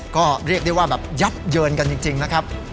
ก็เรียกได้ว่าแบบยับเยินกันจริงนะครับ